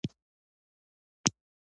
هغوی باید پر خپلو اختلافاتو برلاسي شي.